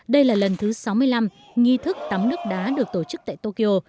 đây là lần thứ sáu mươi năm nghi thức tắm nước đá được tổ chức tại tokyo